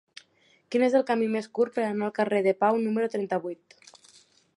Quin és el camí més curt per anar al carrer de Pau número trenta-vuit?